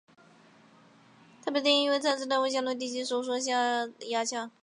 它被定义为产生单位相对体积收缩所需的压强。